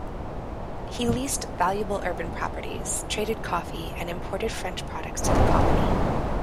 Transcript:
He leased valuable urban properties, traded coffee and imported French products to the colony.